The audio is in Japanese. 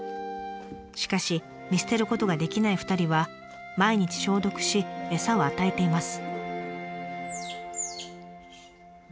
しかし見捨てることができない２人は毎日消毒し餌を与えています。